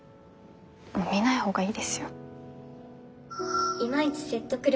もう見ない方がいいですよ。